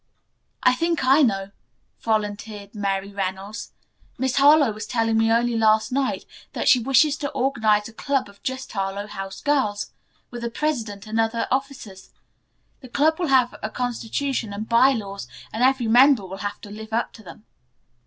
"I think I know," volunteered Mary Reynolds. "Miss Harlowe was telling me only last night that she wishes to organize a club of just Harlowe House girls, with a president and other officers. The club will have a constitution and by laws and every member will have to live up to them."